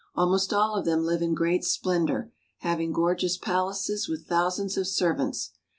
Almost all of them live in great splendor, having gorgeous palaces with thousands of servants.